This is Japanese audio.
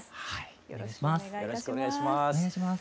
よろしくお願いします。